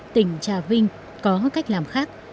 tỉnh trà vinh có cách làm khác